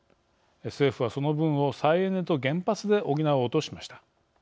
政府は、その分を再エネと原発で補おうとしました。